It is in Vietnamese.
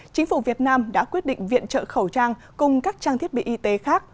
chính phủ việt nam đã quyết định viện trợ khẩu trang cùng các trang thiết bị y tế khác